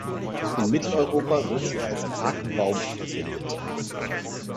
In Mitteleuropa wird sie als Parkbaum verwendet.